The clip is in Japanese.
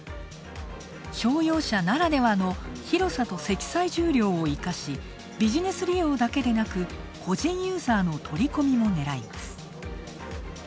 商用車ならではの広さと積載重量を生かし、ビジネス利用だけでなく、個人ユーザーの取り込みも狙います。